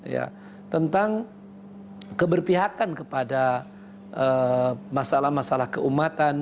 ya tentang keberpihakan kepada masalah masalah keumatan